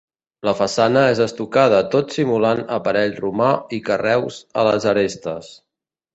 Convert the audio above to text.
La façana és estucada tot simulant aparell romà i carreus a les arestes.